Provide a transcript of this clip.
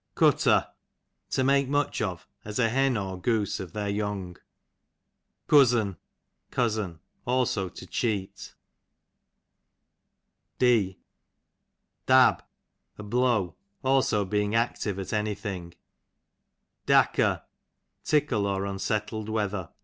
Cutter, to make much of, as a hen or goose of their young. Cuzz'n, cousin ; also to cheat. D Dab, a blow ; aho being active at any thing. Dacker, tickle, or unsettled wea ther.